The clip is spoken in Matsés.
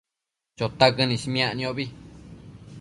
Chotaquën ismiac niombi